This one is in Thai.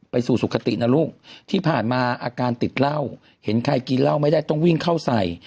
สู่สุขตินะลูกที่ผ่านมาอาการติดเหล้าเห็นใครกินเหล้าไม่ได้ต้องวิ่งเข้าใส่